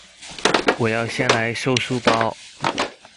我要先來收書包